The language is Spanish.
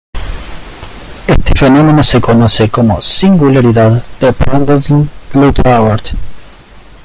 Este fenómeno se conoce como "Singularidad de Prandtl-Glauert".